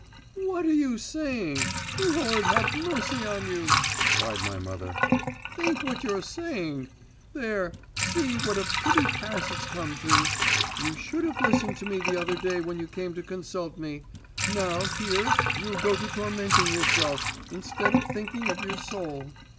'What are you saying! Lord, have mercy on you!' cried my mother. 'Think what you're saying! There, see, what a pretty pass it's come to. You should have listened to me the other day when you came to consult me! Now, here, you'll go tormenting yourself, instead of thinking of your soul!